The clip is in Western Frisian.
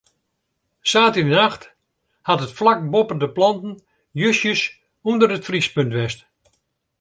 Saterdeitenacht hat it flak boppe de planten justjes ûnder it friespunt west.